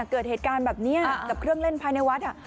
เกิดเหตุการณ์แบบนี้กับเครื่องเล่นภายในวัด